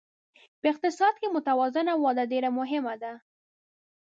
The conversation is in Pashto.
په اقتصاد کې متوازنه وده ډېره مهمه ده.